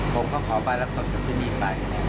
ผมก็ขอบายรับสนจากที่นี่ไป